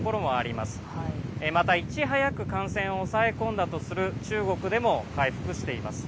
また、いち早く感染を抑え込んだとする中国でも回復しています。